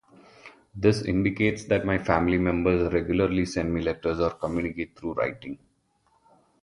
This indicates that my family members regularly send me letters or communicate through writing.